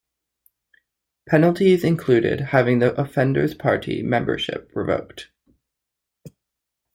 Penalties included having the offender's party membership revoked.